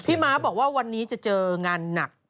ม้าบอกว่าวันนี้จะเจองานหนัก